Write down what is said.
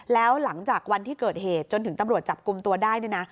แล้วหลังจากวันที่เกิดเหตุจนถึงตำรวจจับกลุ่มตัวได้เนี่ยนะ